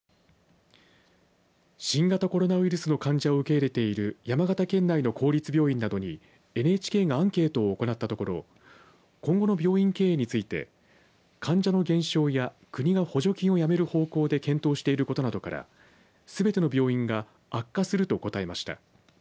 新型コロナウイルスの患者を受け入れている山形県内の公立病院などにＮＨＫがアンケートを行ったところ今後の病院経営について患者の減少や国が補助金をやめる方向で検討していることなどからすべての病院が悪化すると答えました。